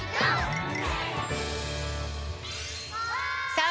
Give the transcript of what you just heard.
さあ